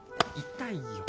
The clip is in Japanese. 痛いよ。